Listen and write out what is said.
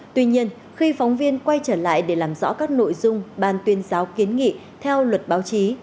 tuy nhiên khi phóng viên quay trở lại để làm rõ các nội dung ban tuyên giáo kiến nghị theo luật báo chí